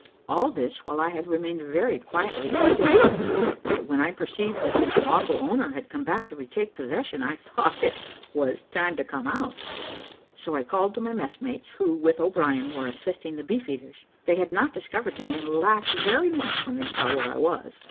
All this while I had remained very quietly in the den, but when I perceived that its lawful owner had come back to retake possession, I thought it was time to come out; so I called to my messmates, who, with O'Brien, were assisting the beef eaters. They had not discovered me, and laughed very much when they saw where I was.